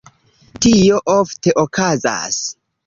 Tio ofte okazas.